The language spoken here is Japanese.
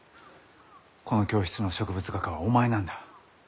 この教室の植物画家はお前なんだ。